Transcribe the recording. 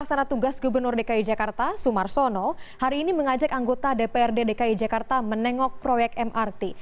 pelaksana tugas gubernur dki jakarta sumarsono hari ini mengajak anggota dprd dki jakarta menengok proyek mrt